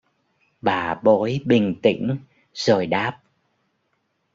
bà bói bình tĩnh rồi đáp